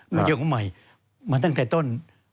มีเรื่องใหม่มาตั้งแต่ต้น